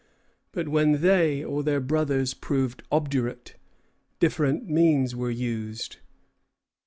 But when they or their brothers proved obdurate, different means were used.